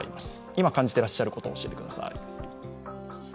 今感じていらっしゃることを教えてください。